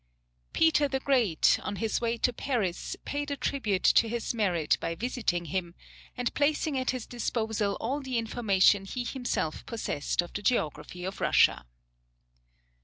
Peter the Great, on his way to Paris, paid a tribute to his merit by visiting him, and placing at his disposal all the information he himself possessed of the geography of Russia.